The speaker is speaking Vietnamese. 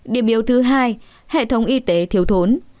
điểm yếu thứ hai hệ thống y tế thiếu thốn